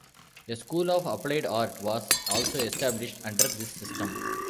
A School of Applied Art was also established under this system.